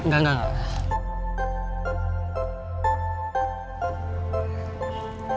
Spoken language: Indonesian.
enggak enggak enggak